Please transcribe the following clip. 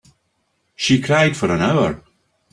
She cried for an hour.